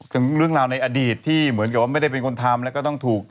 ถึงเรื่องราวในอดีตที่เหมือนกับว่าไม่ได้เป็นคนทำแล้วก็ต้องถูก